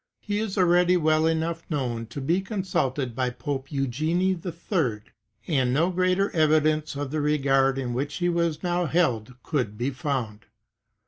He is already well enough known to be consulted by Pope Eugene HI,^ and no greater evidence of the regard in which he was now held could be found.